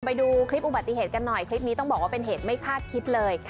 ไปดูคลิปอุบัติเหตุกันหน่อยคลิปนี้ต้องบอกว่าเป็นเหตุไม่คาดคิดเลย